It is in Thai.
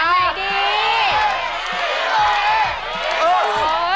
อันไหนดี